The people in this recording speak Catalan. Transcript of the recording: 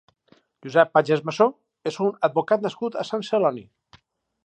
Josep Pagès Massó és un advocat nascut a Sant Celoni.